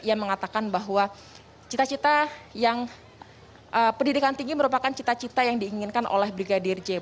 ia mengatakan bahwa cita cita yang pendidikan tinggi merupakan cita cita yang diinginkan oleh brigadir j